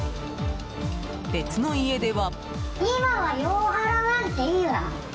別の家では。